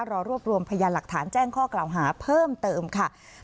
รอรวบรวมพยานหลักฐานแจ้งข้อกล่าวหาเพิ่มเติมค่ะ